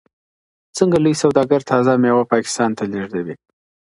څنګه لوی سوداګر تازه میوه پاکستان ته لیږدوي؟